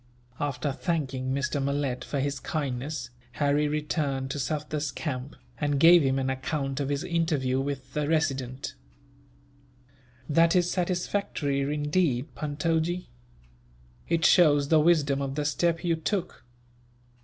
After thanking Mr. Malet for his kindness, Harry returned to Sufder's camp, and gave him an account of his interview with the Resident. "That is satisfactory, indeed, Puntojee. It shows the wisdom of the step you took.